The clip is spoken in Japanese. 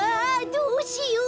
どうしよう！